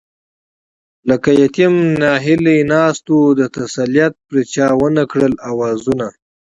لکه يتيم ناهيلی ناست وو، د تسليت پرې چا ونکړل آوازونه